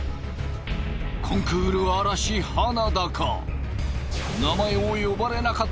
コンクール荒らし花田か？